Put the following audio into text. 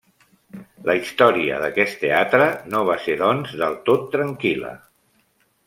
La història d'aquest teatre no va ser doncs del tot tranquil·la.